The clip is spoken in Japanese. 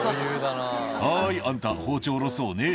「はいあんた包丁下ろそうね」